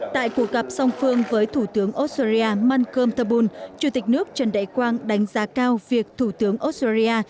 tại cuộc gặp song phương với thủ tướng australia malkerm tabul chủ tịch nước trần đại quang đánh giá cao việc thủ tướng australia